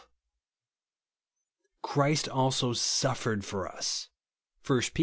Christ also suffered for us," (1 Pet.